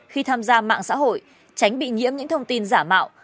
khi tham gia mạng xã hội tránh bị nhiễm những thông tin giả mạo